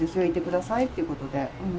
行ってくださいということで。